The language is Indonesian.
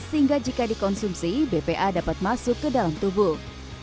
sehingga jika dikonsumsi bpa dapat masuk ke dalam tubuh